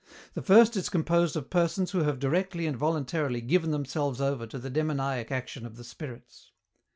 The first is composed of persons who have directly and voluntarily given themselves over to the demoniac action of the spirits.